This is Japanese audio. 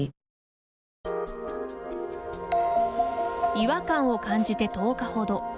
違和感を感じて１０日ほど。